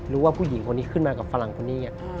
รู้ว่าผู้หญิงคนนี้ขึ้นมากับฝรั่งคนนี้